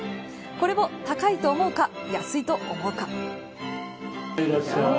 これを高いと思うか安いと思うか。